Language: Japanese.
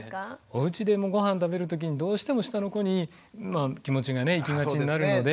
おうちでもごはん食べる時にどうしても下の子に気持ちがいきがちになるので。